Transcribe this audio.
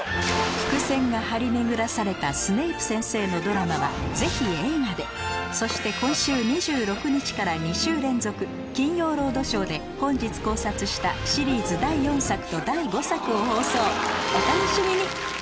伏線が張り巡らされたそして今週２６日から２週連続『金曜ロードショー』で本日考察したシリーズ第４作と第５作を放送お楽しみに！